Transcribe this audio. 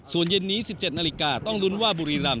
ส่วนเย็นนี้๑๗นาฬิกาต้องลุ้นว่าบุรีรำ